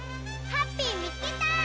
ハッピーみつけた！